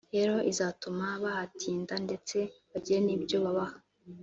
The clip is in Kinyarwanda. rero izatuma bahatinda ndetse bagire n’ibyo bahaha”